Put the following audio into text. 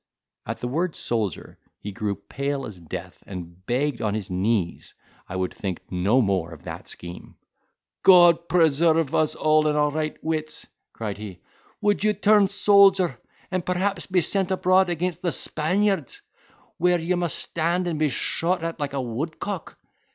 At the word soldier, he grew pale as death, and begged on his knees I would think no more of that scheme. "God preserve us all in our right wits!" cried he, "would you turn soldier, and perhaps be sent abroad against the Spaniards, where you must stand and be shot at like a woodcock?